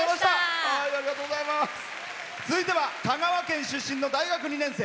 続いては香川県出身の大学２年生。